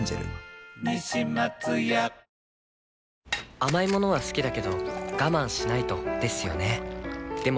甘い物は好きだけど我慢しないとですよね